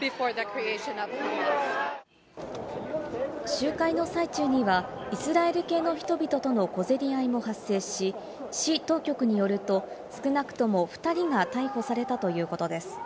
集会の最中にはイスラエル系の人々との小競り合いも発生し、市当局によると少なくとも２人が逮捕されたということです。